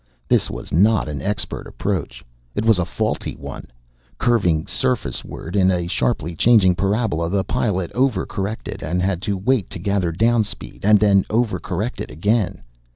This was not an expert approach. It was a faulty one. Curving surface ward in a sharply changing parabola, the pilot over corrected and had to wait to gather down speed, and then over corrected again.